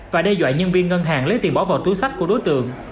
và đe dọa nhân viên ngân hàng lấy tiền bỏ vào túi sách của đối tượng